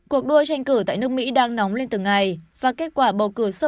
cuộc đua tranh cử tại nước mỹ đang nóng lên từng ngày và kết quả bất cứ gì cũng không đáng tiếc